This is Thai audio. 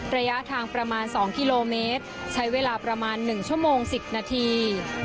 ระยะทางประมาณ๒กิโลเมตรใช้เวลาประมาณ๑ชั่วโมง๑๐นาที